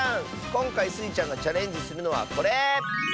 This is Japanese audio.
こんかいスイちゃんがチャレンジするのはこれ！